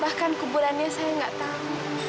bahkan kuburannya saya nggak tahu